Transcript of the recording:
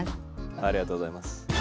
ありがとうございます。